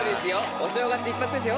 お正月一発目ですよ。